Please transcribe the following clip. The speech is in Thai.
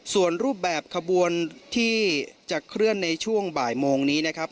ส่วนรูปแบบขบวนที่จะเคลื่อนในช่วงบ่ายโมงนี้นะครับ